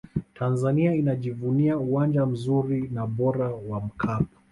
tanzania inajivunia uwanja mzuri na bora wa mkapa